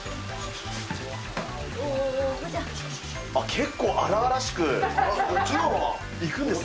結構荒々しくいくんですね。